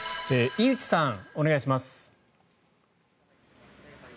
居内さん、お願いします。